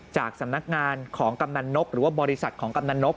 จากสำนักงานของกำนันนกหรือว่าบริษัทของกำนันนก